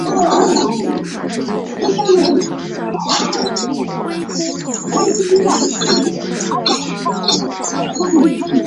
唐密秽迹金刚像上顶有释迦牟尼佛。